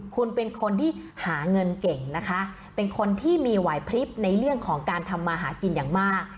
คุณเป็นคนที่หาเงินเก่งนะคะเป็นคนที่มีไหวพลิบในเรื่องของการทำมาหากินอย่างมาก